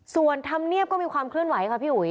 ส่วนธรรมเนียบก็มีความเคลื่อนไหวค่ะพี่อุ๋ย